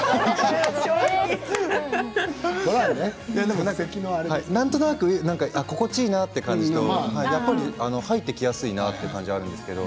笑い声なんとなく心地いいなという感じとやっぱり入ってきやすいなという感じはあるんですけど。